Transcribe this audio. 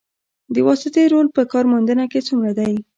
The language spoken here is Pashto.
د واسطې رول په کار موندنه کې څومره دی؟